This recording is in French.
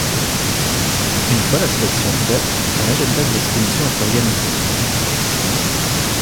Une fois la sélection faite, un agenda des expositions est organisé.